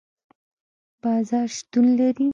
بازار شتون لري